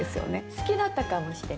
好きだったかもしれない。